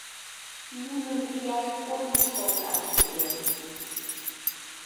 Нуным вияш корныш колташ кӱлеш.